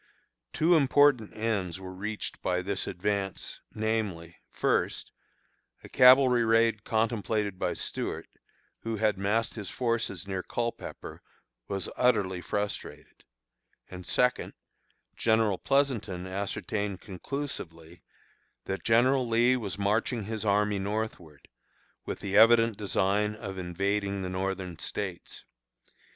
Two important ends were reached by this advance, namely, first, a cavalry raid contemplated by Stuart, who had massed his forces near Culpepper, was utterly frustrated; and second, General Pleasonton ascertained conclusively that General Lee was marching his army northward, with the evident design of invading the Northern States.